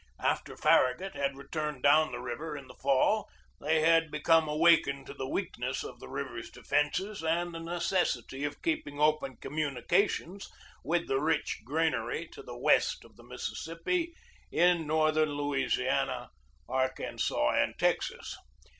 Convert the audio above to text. After Farragut had returned down the river in the fall they had become awakened to the weakness of the river's defences and the neces sity of keeping open communications with the rich granary to the west of the Mississippi in northern Louisiana, Arkansas, and Texas.